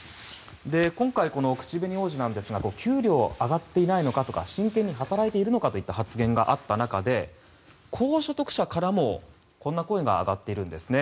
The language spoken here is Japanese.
今回、この口紅王子なんですが給料が上がっていないのかや真剣に働いているのかといった発言があった中で高所得者からも、こんな声が上がっているんですね。